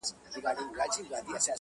د سپوږمۍ کلي ته نه ورځي وګړي -